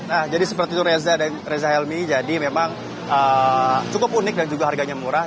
nah jadi seperti itu reza dan reza helmi jadi memang cukup unik dan juga harganya murah